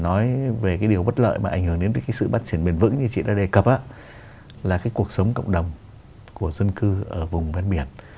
nói về cái điều bất lợi mà ảnh hưởng đến cái sự phát triển bền vững như chị đã đề cập là cái cuộc sống cộng đồng của dân cư ở vùng ven biển